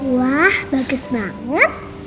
wah bagus banget